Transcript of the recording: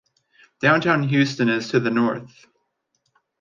Downtown Houston is to the north.